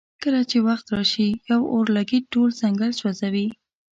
کله چې وخت راشي یو اورلګیت ټول ځنګل سوځوي.